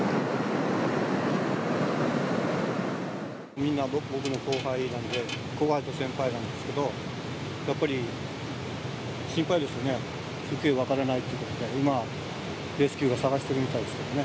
みんな僕の後輩なんで、後輩と先輩なんですけど、やっぱり、心配ですよね、行方が分からないということで、今、レスキューが捜してるみたいですけどね。